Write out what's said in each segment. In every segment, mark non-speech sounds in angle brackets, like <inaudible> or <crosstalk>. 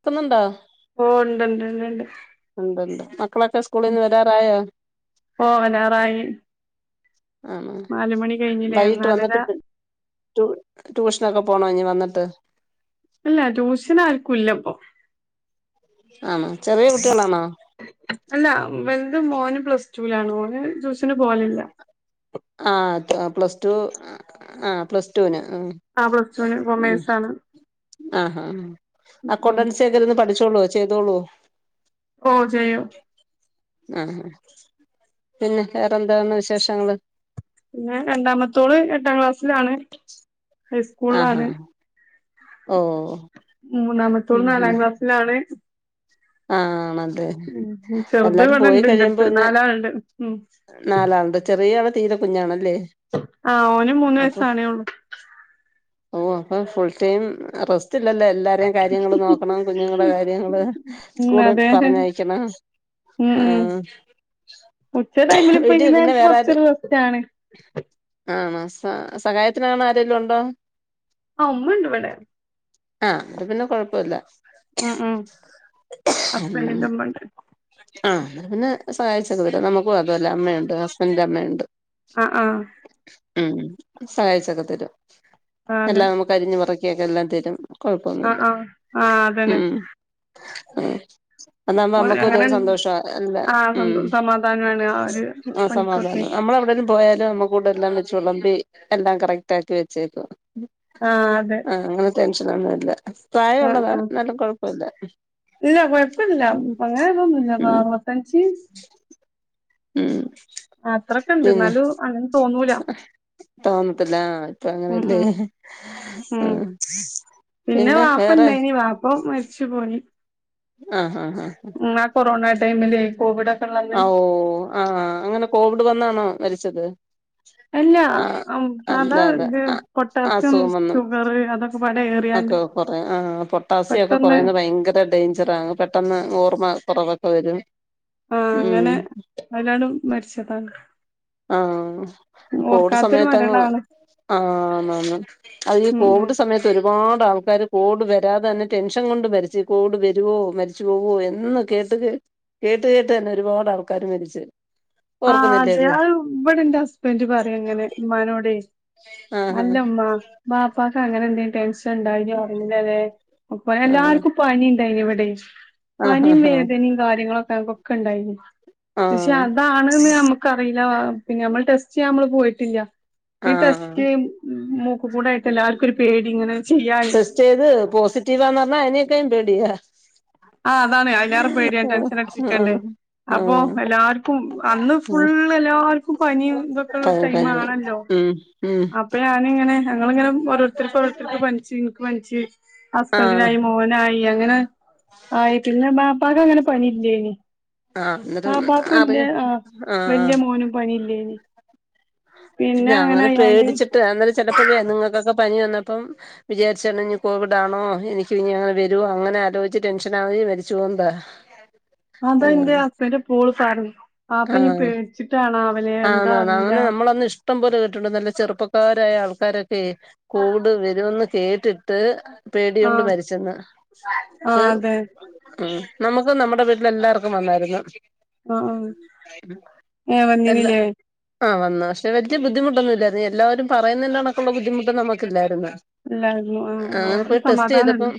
ക്കുന്നുണ്ടോ? ഓ ണ്ട് ണ്ട് ണ്ട് ണ്ട്. ഉണ്ടണ്ട്. മക്കളൊക്കെ സ്കൂളിൽന്ന് വരാറായാ? പോവലാറായി ആണാ. നാല് മണി കഴിഞ്ഞില്ലേ വൈകിട്ട് നാലര വന്നിട്ട് <unintelligible> ട്യൂഷനൊക്കെ പോണോ ഇനി വന്നിട്ട്. അല്ല ട്യൂഷൻ ആര്ക്കും ല്ലപ്പോ. ആണോ ചെറിയ കുട്ടികളാണോ? അല്ല. വൽത് മോന് പ്ലസ്ടുലാണ്. ഓന് ട്യൂഷ <inaudible> <inaudible> ന് പോവലില്ല. അ, പ്ലസ് ടു. ആ പ്ലസ്ടുവിന് മം, ആ പ്ലസ് ടുവിന് മം, കൊമേഴ്സ് ആണ് ആഹാ!. ഉം അക്കൗണ്ടൻസി ഏതെങ്കിലും ഒന്ന് പഠി <inaudible> <inaudible> ച്ചോളൂ. ചെയ്തോളൂ. ഓ ചെയ്യും. ആ പിന്നെ വേറെന്താണ് വിശേഷങ്ങള്. പിന്നെ രണ്ടാമത്തോള് എട്ടാം ക്ലാസ്സിലാണ്, ആഹാ ഹൈസ്കൂളിലാണ്. ഓ മത്തോൾ ഉം നാലാം ക്ലാസ്സിലാണ്. ആണല്ലേ മ്. ചെറുത് എല്ലാരും ഇവടെണ്ട് ന്റെർത്ത്. നാലാള്ണ്ട്. മ്. നാലാള്ണ്ട്. ചെറിയാള് തീരെ കുഞ്ഞാണല്ലേ? ആ, ഓനും മൂന്ന് അപ്പൊ വയസാണേഉ ള്ളൂ. ഓ. <unintelligible> അപ്പൊ ഫുൽ ടൈം <inaudible> റസ്. <inaudible> <inaudible> റ്റില്ലല്ലേ. എല്ലാരേം കാര്യങ്ങള് നോക്കണം. കുഞ്ഞുങ്ങളുടെ കാര്യങ്ങള്. ഉം സ്കൂളിൽ അതെ പറഞ്ഞയക്കണം. ഉം ആ. ഉം ഉച്ച ടൈമിൽ ഇപ്പൊ ഈ വീട്ടിൽ പിന്നെ നേരത്ത് വേറേ ആരാ കൊറച്ചൊരു റസ്റ്റ് ആണ് <inaudible> ആ. <unintelligible> ആ, സഹായത്തിനാണ് ആരേല്ലും ഉണ്ടോ? ആ ഉമ്മണ്ട് ഇവടെ. ആഹ്, എന്നിട്ട് പിന്നെ കൊഴപ്പല്ല. ഹസ്ബന്റിന്റെ ഉമ്മണ്ട്. ആഹ്, പിന്നെ സഹായിച്ച <inaudible> തരാ നമുക്കും അതന്ന അമ്മയുണ്ട്. ഹസ്ബൻഡന്റെ അമ്മേണ്ട്. അ ആ. ഉം, സഹായിച്ചൊക്കെ തരും. ആ അതെ എല്ലാം നമുക്ക് അരിഞ്ഞ് മുറക്കിയൊക്കെ എല്ലാം തരും. ആ കുഴപ്പൊന്നുല്ല. ആ ആ അതന്നെ മ് <inaudible> അന്ന് <unintelligible> ഓര് നമ്മക്ക് അങ്ങനെ <inaudible> സന്തോഷം <unintelligible> ഇല്ല. ആ സന്തോ സമാധാനമാണ് ആ ഒരു ആ സമാധാന. പണിക്കൊക്കെ അമ്മള് എവടേലും പോയാല്. <inaudible> എല്ലാം വെച്ച് വെള മ്പി <inaudible> തേക്ക് വെച്ചേക്ക്വാ. ആ അതെ ഭക്ഷൊന്നുംല്ല. ആ പ്രായമള്ളതാ ആ നല്ല കുഴപ്പല്ല -.. - <unintelligible> വട്ടൻ ചീസ്. ഉം. അ, അത്രൊക്കണ്ട്. പിന്നെ ന്നാലും അങ്ങനെ തോന്നൂല്ല. തോന്നത്തില്ല. ആ. ഇപ്പ അങ്ങനെയല്ലേ? ആ ഉം, പിന്നെ വാപ്പ ഇണ്ടായിനി. വാപ്പ മരിച്ചു പോയി. ആഹ ഹാആ. ഹാ ആ. ഉം കൊറോണ ടൈമില് കോവി് <unintelligible> ആഓ, ആഹ് അങ്ങനെ കോവിഡ് വന്നാണോ മരിച്ചത്? അല്ല, ആ സാധാ അല്ലാതെ ഇത് ആ പൊട്ടാസ്യം അസുഖം വന്ന് ഷുഗർ അതൊക്കെ <inaudible> ഏറിയാണ്ട് ഒക്കെ കുറ ആ പൊട്ടാസിയം ഒക്കെ പെട്ടെന്ന് കുറയുന്നത് ഭയങ്കര ഡേയ്ഞ്ചറ. ആ പെട്ടെന്ന് ഓർമ്മ കുറവ്. വരും. ആഹ. ഉം അങ്ങനെ അയ്ലണ്ട് മരിച്ചതാണ്. ആഹ, അപ്പോ ഓട ഓർക്കാത്തൊരു സമയത്തങ്ങ്. മരണാണ് <inaudible> ആ ആ. അത് ഈ ഉം ഉം കോവിഡ് സമയത്ത് ഒരുപാട് <unintelligible> ആൾക്കാർ കോട് വരാതെ തന്നെ ടെൻഷൻ കൊണ്ട് മരിച്ച്. കോട് വരോ മരിച്ചു പോവോഎന്ന് കേട്ട് കേ. കേട്ട് കേട്ടു തന്നെ ഒരുപാട് ആൾക്കാാര് മരിച്ചേ. ആ അതെ ഇവടെ ന്റെ ഹസ്ബൻഡ് പറയും അങ്ങനെ. ഇമ്മാനോടെ ആഹ് അല്ലമ്മ. ബാപ്പാക്ക് അങ്ങനെ എന്തെും ടെൻഷൻ ണ്ടായിനോ അറില്ലല്ലെ? അപ്പൊ. ആഹ് എല്ലാർക്കും പനി ണ്ടായിനി ഇബടെ. ആഹ് പനിം ആഹ് വേദനിം കാര്യങ്ങളൊ <unintelligible> ക്കെ ഉണ്ടായിനി. പക്ഷെ ആഹ് അതാണ്ന്ന് നമ്മുക്കറില്ലാ പിന്നെ നമ്മള് ടെസ്റ്റ് ചെയ്യാൻ നമ്മള് പോയിട്ടില്ല. ഈ ടെസ്റ്റ് ആഹ് <inaudible> കൂടായിട്ട് എല്ലാവർക്കും പേടി ഇങ്ങനെ. ചെയ്യാന് ടെസ്റ്റ് ചെയ്ത് പോസിറ്റീവാന്ന് റഞ്ഞാ അയിനേക്കാൻ പേടിയാ. ആ അതാണ് അയ്‌ ലാറെപേടിയാ ആഹ് ടെൻഷൻ അടിച്ച് ആഹ് ക്കാണ്ടെ. അപ്പൊ ആഹ് എല്ലാർക്കും അന്ന് ഫു <inaudible> ഉം <unintelligible> എല്ലാർക്കും പനിം തൊക്കെള്ള പനി പനി ടൈമാണല്ലോ. ഉം ഉം അപ്പ ഞാനിങ്ങനെ <inaudible> ഞങ്ങളിങ്ങനെ ഓരോരുത്തർക്ക് ഓരോരുത്തർക്ക് പനിച്ച് പനിച്ച് ആഹ് ഹസ്ബൻഡിനായി മോനായി അങ്ങനെ. ആയി പിന്നെ ബാപ്പാക്ക് അങ്ങനെ പണിയില്ലേ നി ആഹ് എന്നിട്ട് ആ. ബാപ്പുന്റെ അറിയാം ആ ആഹ് വല്യമോനും പനി ഇല്ലേനി. പിന്നെ അങ്ങനെ പേടിച്ചിട്ട് അന്ന ചിലപ്പോഴേ നിങ്ങൾക്കൊക്കെ പനി വന്നപ്പം വിചാരിച്ച ഇനി കോവിഡ് ആണോ എനിക്ക് ഇനി അങ്ങനെ വരു അങ്ങനെ ആലോചിച്ച് ടെൻഷൻ ആ മരിച്ചോണതാ അതാ എന്റെ ഹസ്ബന്റ് ഇപ്പലും പറയി ആഹ ആ അറിയില്ല അങ്ങനെ നമ്മളന്ന് ഇഷ്ടം പോലെ കേട്ടിട്ടുണ്ട് നല്ല ചെറുപ്പക്കാര അയ ആൾക്കാരൊക്കെ കോവിഡ് വരുമെന്ന് കേ ട്ട്പേടി കൊണ്ട് ആഹ് മരിച്ചെന്ന് ആ അതെ നമുക്ക് നമ്മുടെ എല്ലാവർക്കും വന്നായിരുന്നു - ആ ഏ വന്നിനില്ലേ? ആ വന്നാ പക്ഷ വലിയ ബദ്ധമുട്ടൊന്നും ഇായിരുന്നു എല്ലാവരും പറയുന്നതിന്റെടക്കുള്ള ബുദ്ധിമുട്ട് നമുക്കല്ലായിരുന്നു. അ <unintelligible> ്ങ്ങന പോയി ടെസ്റ്റ് ചെയ്തപ്പം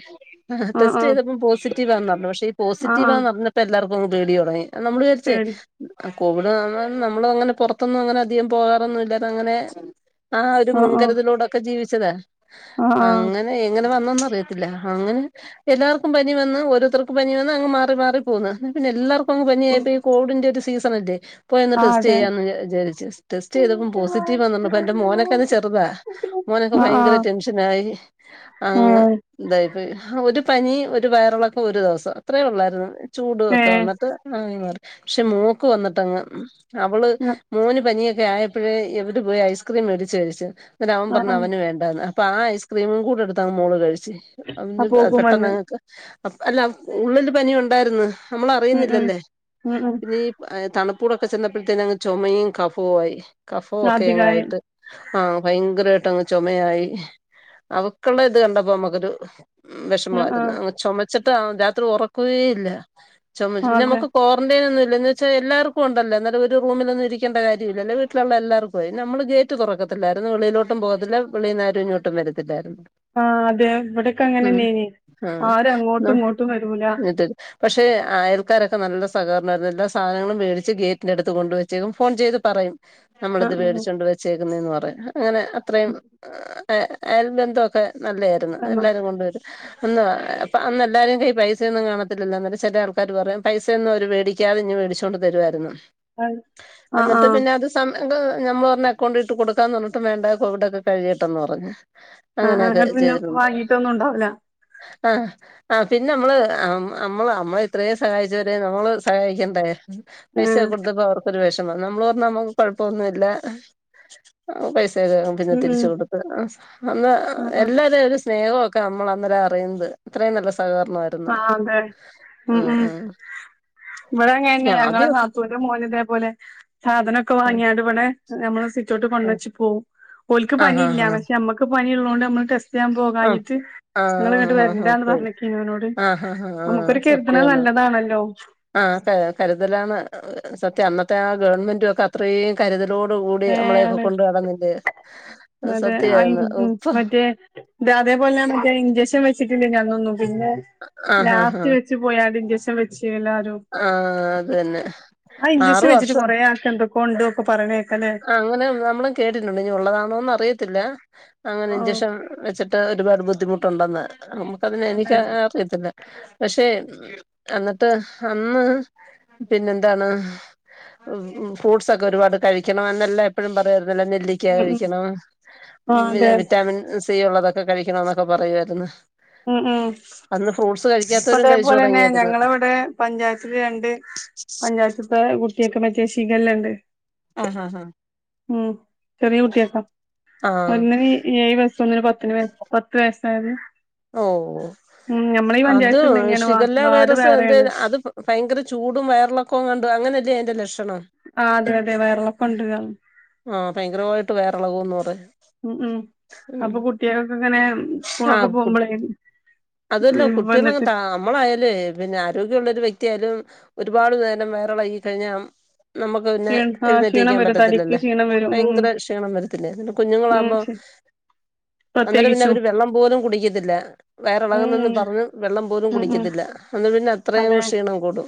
ആ ടെസ്റ്റ് ആ ചെയ്തപ്പോം പോസിറ്റീവ് ആന്ന് പറഞ്ഞു പക്ഷെ ഈ ആ ആ പോസിറ്റീവന്ന്ഞ്ഞ അന്നിപ്പ എല്ലാർക്കും പേടി തുടങ്ങി നമ്മള് വിചാരിച്ചേ പേടി ആ കോവിഡ് നമ്മ നമ്മള് അങ്ങനെ പുറത്തൊന്നും അങ്ങനെ അധികം പോകാറൊന്നും ഇല്ലാ അതങ്ങനെ ആഹ് ഒരു ആ ആ മുൻകരുതലൂടൊക്കെ ജീവിച്ചത് ആ ആ അങ്ങനെ എങ്ങനെ വന്നന്ന റിയത്തില്ല അങ്ങനെ എല്ലാർക്കും പനി വന്ന് ഓരോത്തർക്കും പനി വന്ന് അങ്ങ് മാറി മാറി പോകുന്നു പിന്നെ എല്ലാർക്കും പ്പം പനിയായപ്പോ ഈ കോവിഡിന്റെ ഒരു സീസണല്ലേ പോയി ഒന്ന് ആ ടെസ്റ്റ് അതെ ചെയ്യാന്ന് വിചാരിച്ചു ടെസ്റ്റ് ചെയ്തപ്പം പോസിറ്റീവന്നർഞ്ഞപ്പം എന്റെ മോനൊക്കന്ന് ചെറുതാ മോനൊക്കെ ആ ആ ഭയങ്കര ടെൻഷനായി അങ്ങ് ഇതായിപ്പോയി ഹാ ഒരു പനി ഒരു വയറിളൊക്ക ഒരു ദിവസം അത്രയും ഉള്ളായിരുന്നു ചൂട് ഏ ഏ ഒക്കെ വന്നിട്ട് മാങ്ങി മാറി പക്ഷെ മോക്ക് വന്നിട്ടങ് അവള് മോന് പനിയൊ ക്കെ ആയപ്പഴേ ഇവര് പോയി ഐസ്ക്രീം മേിടിച്ച് കഴിച്ചു ന്നട്ട് അവൻ ആ പറഞ്ഞു ആ അവന് വേണ്ടാന്ന് അപ്പൊ ആ ഐസ്ക്രീമും കൂടെടുത്തങ് മോള് കഴിച്ചു അ അപ്പൊ ഓക്കും പെട്ടെന്ന് വന്ന് ങ്ങക്ക് അല്ല ഉള്ളില് പനി ഉണ്ടായിരുന്നു ഉം ഉം നമ്മളറിയുന്നില്ലല്ലേ ഉം ഉം പിന്നീ തണുപ്പൂടൊക്കെ ചെന്നപ്പോഴത്തേനങ് ചുമയും കഫവും ആയി കഫോ ഒക്കെ ആതികായ എങ്ങായിട്ട് ആഹ് ഭയങ്കര പെട്ടന്ന് ചുമയായി അവക്കുള്ള ഇത് കണ്ടപ്പോ നമുക്കൊരു ആ ആ വിഷമമായിരുന്നു അങ്ങ് ചുമച്ചിട്ട് രാത്രി ഉറക്കവേ ഇല്ല ആ ചുമച്ച് അതെ നമുക്ക് ക്വാറന്റൈൻ ഒന്നുല്ലന്ന് പക്ഷെ എല്ലാവർക്കും ഉണ്ടല്ലോ ന്നട്ട് ഒരു റൂമിലൊന്നും ഇരിക്കണ്ട കാര്യല്ലല്ലോ വീട്ടിലുള്ള എല്ലാർക്കും ആയി നമ്മള് ഗേറ്റ് തുറക്കത്തില്ല വെളീലോട്ടും പോവത്തില്ല വിളീന്നാരും ഇങ്ങോട്ടും വരത്തില്ലായിരുന്നു ആഹ് അതെ വിടൊക്കെ ഉം അങ്ങനെന്നേനി ആഹ് ആരും അങ്ങോട്ടും ഇങ്ങോട്ടും വരൂല എന്നിട്ട് പക്ഷെ അയൽക്കാരൊക്കെ നല്ല സഹകരണമായിരുന്നു സാധനങ്ങള് മേടിച്ച് ഗേറ്റിന്റെടുത്ത് കൊണ്ട് വെച്ചേക്കും ഫോൺ ചെയ്ത് പറയും ആ നമ്മളിത് വേടിച്ചൊണ്ട് വെച്ചേക്കുന്നേന്ന് പറയും അങ്ങനെ അത്രയും അയൽ ബന്തൊക്കെ നല്ലതായിരുന്നു ആ എല്ലാരും കൊണ്ടുവരും അന്ന് അപ്പൊ അന്ന് എല്ലാരുടെലും പൈസയൊന്നും കാണത്തില്ലല്ലോ എന്നിട്ട് ചെലേ ആൾക്കാര് പറയും പൈസയൊന്നും അവര് വേടിക്കാതെ ഇങ് മേടിച്ചോണ്ട് തരുമായിരുന്നു ആ ആഹ് ആഹ് ഞമ്മള് പറഞ്ഞു അക്കൗണ്ടിട്ടു കൊടുക്കാന്ന് പറഞ്ഞിട്ട് വേണ്ട കോവിഡ് ഒക്കെ കഴിയട്ടെന്ന് പറഞ്ഞ് ആ ആ അങ്ങനെയൊക്കെ ഇങ്ങട്ട് പിന്നെ ചെയ്തിട്ടുണ്ട് വാങ്ങീട്ടൊന്നും ഉണ്ടാവൂല ആ ആ പിന്നെ നമ്മള് നമ്മള് നമ്മള ഇത്രയും സഹായിച്ചവരെ നമ്മള് സഹായിക്കണ്ടേ ഏ പൈസ കൊടുപ്പോ അവർക്കൊരു വിഷ മം നമ്മള് പറഞ്ഞു നമ്മക്ക് കുഴപ്പൊന്നുല്ല ഉം ഉം ഉം ഉം <unintelligible> സ്നേഹമൊക്കെ നമ്മളന്നേരാ അറിയുന്നത് ത്രയും നല്ല സഹകരണമായിരുന്നു ആ അതെ ഉം ഉം വടെ പിന്നെ ഞങ്ങളെ ആദ്യമൊക്കെ നാത്തൂന്റെ മോനിതേപോലെ സാധനൊക്കെ ഉം വാങ്ങിയാണ്ട് ഇവിടെ നമ്മളെ സി റ്റൗട്ട് ഉം കൊണ്ടച്ച് പോവും ഓൽക്ക് ആഹ് ആഹ് പനീല്ല ആഹ് പക്ഷെ അമ്മക്ക് പനീള്ളോണ്ട് നമ്മള് ടെസ് റ്റ് ആഹ് ഞാംപോകാഞ്ഞിട്ട് ഇങ്ങള്ങ്ങട്ട് വരണ്ടാന്ന് പറഞ്ഞക്കിനോനോട് ആ ആ സത്യാന്ന് ആ കരുതലാണ് സത്യം അന്ന ത്താ ഗവൺമെന്റൊക്കെ അത്രേയും കരുത ലോട് കൂടി ഏഹ് നമ്മളെയൊക്കെ ആണ് കൊണ്ട്‌ നടന്നില്ലേ അത് അതെ സത്യായിരുന്നു ഉപ്പ തേപോലെ മറ്റേ ഇഞ്ചശൻ വെച്ചിട്ടില്ലാനാതൊന്നു പിന്നെ ആഹ് ആഹ് ലാസ്റ്റ് ആഹ് വെച്ച് പോയാട് ഇൻജെഷൻ വെച്ച് എല്ലാരു ആഹ് അത് തന്നെ ആ ഇഞ്ചഷൻ ആറ് വെച്ചിട്ട് വർഷം കൊറേ ആൾക്ക് എന്തൊക്കോണ്ട്‌ ഒക്കെ പറണ അങ്ങനെ നമ്മളും കേട്ടിട്ടുണ്ട് ഇനി ഉള്ളതാണോന്നറിയത്തില്ല അങ്ങനെ ആഹ് ഇഞ്ചെഷൻ വെച്ചിട്ട് ഒരുപാട് ബുദ്ധിമുട്ടുണ്ടെന്ന് നമുക്കതിനെ അതെ എനിക്ക് അറിയത്തില്ല പക്ഷെ അന്ന്ട്ട് അന്ന് പിന്നെന്താണ് ഉം ഫ്രൂട്ട്സ് ഒക്കെ ഒരുപാട് കഴിക്ക ക്കണമെന്നല്ല എപ്പഴും പറയാരുന്നല്ലോ നെല്ലിക്ക ഉം ഉം കഴിക്കണം ആ അതെ വിറ്റാമിൻ സി ഉള്ളതൊക്ക ക്കെ കഴിക്കണന്നൊക്കെ പറയാരുന്നു ഉം ഉം കഴിക്കാത്തവരും കഴിച്ചു അതേപോലെന്നെ തുടങ്ങിയായിരുന്നു ഞങ്ങളിവിടെ പഞ്ചായത്തില് രണ്ട് പഞ്ചായത്ത്ത്തെ ഒക്കെ മറ്റെ ശിഗല്ലാണ്ട് <unintelligible> ആഹാ ഹാ ഉം ചെറിയ കുട്ടിയക്കാ ആഹ് ഒന്നിന് ഏഴ് വയ ഒന്നിന് പത്തിന് മേ പത്ത് വയസായത് ഓ അത് പഞ്ചായത്ത്ള്ളന്നെയാണ് വാ ഷിഗല്ല വാർഡ് വൈറസ് എന്ത് വേറേണ് അത് ഭയങ്കര ചൂടും വയറിളൊക്കൊങ്ങൊണ്ട് അങ്ങനല്ലേ ആ അതെതെ വയറിളക്കൊണ്ട് ക ആ ഭയങ്കരവായിട്ട് വയറിളകുന്ന് പറയും ഉം ഉം ഉം അപ്പൊ കുട്ടികൾക്ക് ഇങ്ങനെ സ്കൂളൊക്കെ പോമ്പളേ അതുവല്ല കുട്ടികളങ്ങ് ത അമ്മളായാലുവേ പിന്നെ ആരോഗ്യൊള്ളൊരു വ്യക്തി ത്തിയാലും ഒരുപാട് നേരം വയറെളകി കഴിഞ്ഞ നമുക്ക് പിന്നെ ക്ഷീണ ആ ക്ഷീണം എഴുന്നേറ്റിക്കാൻ വരും തടിക്ക് പറ്റത്തില്ലല്ലേ ക്ഷീണം വരും ഉം ഉം ഭയങ്കര ക്ഷീണം വരത്തില്ലേ പിന്നെ കുഞ്ഞുങ്ങളാമ്പോ <inaudible> അന്നരം പ്രത്യേകിച്ചും പിന്നെവര് വെള്ളം പോലും കുടിക്കത്തില്ല ഉം വയറിളകുന്നെന്ന് ഉം പറഞ്ഞ് വെള്ളം പോലും ഉം ഉം കുടിക്കത്തില്ല അന്ന് പിന്നെത്രേം അതെ ക്ഷീണം കൂടും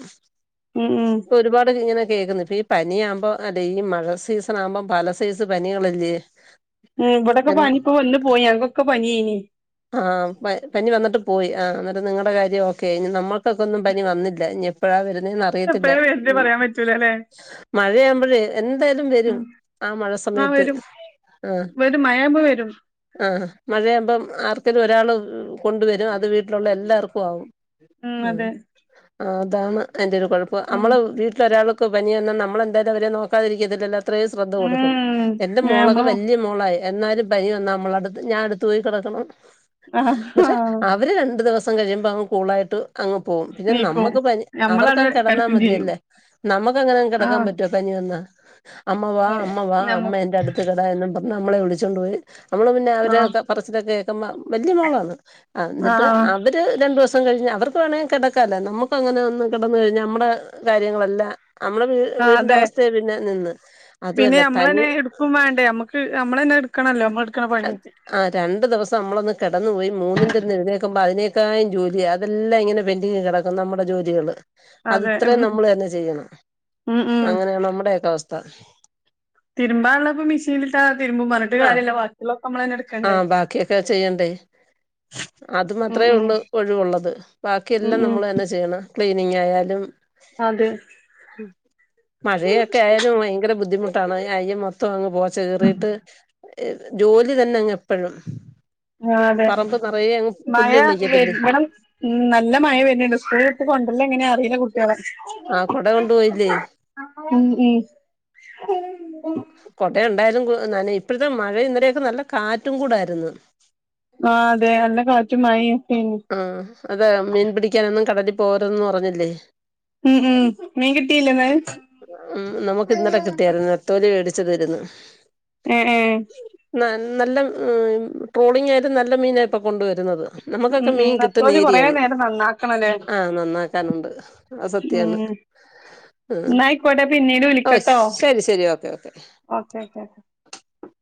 ഉം ഉം പ്പൊരുപാട് ഇങ്ങനെ കേക്കുന്ന് ഇപ്പ ഈ പനിയാമ്പോ ഡെയിലി മഴ സീസണാമ്പം പല സൈസ് പനികളല്ലേ ഉം ഇവിടെക്കെ എൻ പനിപ്പോ വന്നു പോയി എനക്കൊക്കെ പനിന്നെ ആ പ പനി വന്നിട്ട് പോയി ആ എന്നിട്ട് നിങ്ങടെ കാര്യം ഓക്കെയായി ഇനി നമ്മൾക്ക് ക്കൊന്നും പനി വന്നില്ല ഇനി എപ്പഴാ വരുന്നേന്ന് അറിയത്തില്ല എപ്പഴാ വര്ണെ ഉം പറയാൻ പറ്റൂലല്ലേ മഴയാവുമ്പോഴേ എന്തായാലും വെരും ഉം ആ മഴ ആ സമയത്ത് വരും വരും മഴയാമ്പോ വരു ആ മഴയാമ്പം ആർക്കേലും ഒരാള് കൊണ്ട് വരും അത് വീട്ടിലൊള്ള എല്ലാർക്കും ആവും ഉം അതാണ് അയിന്റെയൊരു കൊഴപ്പം ഉം അമ്മള് വീട്ടിലൊരാള് ക്ക് പനിവന്ന നമ്മളെന്തായാലും അവരെ നോക്കാതിരിക്കത്തില്ലല്ലോ അത്രേം ശ്രദ്ധ കൊടുക്കും ഉം എന്റെ മോളൊക്കെ ഞമ്മള് വല്യ മോളായി എന്നാലും പനി വന്ന നമ്മളടുത്ത് ഞാ അടുത്ത് പോയി കെടക്കണം ആഹ് ന്ന്ട്ട് ആഹ് അവര് രണ്ട് ദെവസം സം കഴിയുമ്പോ അങ്ങ് കുളായിട്ട് അങ്ങ് പോവും പിന്നെ നീക്കും നമ്മക്ക് പനി ഞമ്മളവിടെ അവർക്കങ് കെടന്നാ കെടക്കും ചെയ്യും മതിയല്ലേ നമ്മക്ക് അങ്ങനങ്ങ് കെടക്കാൻ ആഹ് പറ്റുവോ പനി വന്നാ അമ്മ വാ അതെ അമ്മ വാ അമ്മ ഞമ്മ എന്റെ അടുത്ത് കെട എന്നും പറഞ്ഞ് നമ്മളെ വിളിച്ചോണ്ട് പോയി നമ്മള് പിന്നെ ആഹ് അവരെക്കെ പറച്ചിലൊക്കെ കേക്കുമ്പ വല്യ മോളാന്ന് എന്നിട്ട് ആഹ് അവര് രണ്ട് ദിവസം കഴിഞ്ഞ് അവർക്ക് വേണെ കെടക്കാലോ നമുക്കങ്ങനെ ഒന്ന് കെടന്ന് കഴിഞ്ഞാ അമ്മടെ കാര്യങ്ങളെല്ലാം നമ്മളെ വീ ആഹ് വീടിന്റെ അതെ അവസ്ഥയെ പിന്നെ നിന്ന് പിന്നെ അതുവല്ല പനി നമ്മളന്നെ എടുക്കും വേണ്ടേ നമ്മുക്ക് നമ്മള തന്നെ എടുക്കണല്ലോ നമ്മള് എടുക്കണ പണി ആ രണ്ട് ദിവസം നമ്മളൊന്ന് കിടന്നു പോയി മൂന്നിന്റെ അന്ന് എഴുന്നേക്കുമ്പോ അതിനേ തക്കായും ജോലി അതെല്ലാം ഇങ്ങനെ പെന്റിംഗ് കിടക്കും നമ്മുടെ ജോലികള് അതെ ഉം അതിത്രെം നമ്മളന്നെ ചെയ്യണം ഉം ഉം അങ്ങനെയാണ് നമ്മുടെക്കെ അവസ്ഥ തിരുമ്പാള്ളപ്പ മിഷീനിട്ടാ തിരുമ്പും പറഞ്ഞിട്ട് കാര്യല്ല ബാ ആ ബാക്കിയൊക്കെ ചെയ്യണ്ടേ അത് ഉം മാത്രമേ ഉം ഉള്ളൂ ഒഴിവുള്ളത് ബാക്കി ഉം എല്ലാം ഉം നമ്മൾ തന്നെ ചെയ്യണം ക്ലീനിങ് ആയാലും അതെ ഹം മഴയൊക്കെ ആയാലും ഭയങ്കര ബുദ്ധിമുട്ടാണ് അയ്യ മൊത്തം അങ്ങ് പോച്ച കിറിട്ട് ജോലി തന്നെങ്ങ് എപ്പോഴും ആ അതെ പറമ്പ് നിറയെ അങ്ങ് മഴ പുല്ല് കിളിക്കത്തില്ലേ വരണം ഇവിടെ നല്ല മഴ വരുന്നുണ്ട് സ്കൂള് വിട്ട് കൊണ്ടുവരല് എങ്ങനാന്ന് അറിയില്ല ആ കൊട കൊണ്ടുപോയില്ലേ ഉം ഉം കൊട ഉണ്ടായാലും നനയും ഇപ്പോഴത്തെ മഴ ഇന്നലെയൊക്കെ നല്ല കാറ്റും കൂടാരുന്നു ആ അതെ നല്ല കാറ്റും മഴയും ഒക്കെയാണ് ആഹ അതെ മീൻ പിടിക്കാനൊന്നും കടലിൽ പോരന്നും പറഞ്ഞില്ലേ ഉം ഉം മീൻ കിട്ടിയില്ലേ ഇന്ന് ഉ നമുക്ക് ഇന്നലെ കിട്ടിയായിരുന്നു നെത്തോലി വേടി <unintelligible> ഏഹ് ഏഹ് നല്ല ട്രോളിങ് ആയാലും നല്ല മീനപ്പോ കൊണ്ടുവരുന്നത് നമുക്കൊക്കെ ഉം ഉം മീൻ കിട്ടുന്ന നത്തോലി കൊറേ ഏരിയണ് നേരം നന്നാക്കണല്ലേ ആഹ നന്നാക്കാനുണ്ട് അത് സത്യാണ് ഉം ഉ എന്നാ ആയിക്കോട്ടെ പിന്നീട് ഓ വിളിക്കട്ടോ ശരി ശരി ഓക്കെ ഓക്കെ ഓക്കെ <inaudible>